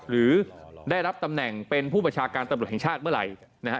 หรือได้รับตำแหน่งเป็นผู้บัญชาการตำรวจแห่งชาติเมื่อไหร่นะฮะ